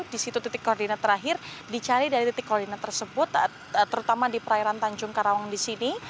di situ titik koordinat terakhir dicari dari titik koordinat tersebut terutama di perairan tanjung karawang di sini